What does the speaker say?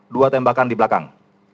dua tembakan di belakang